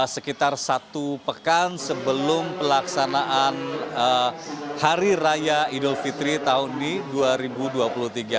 sekitar satu pekan sebelum pelaksanaan hari raya idul fitri tahun dua ribu dua puluh tiga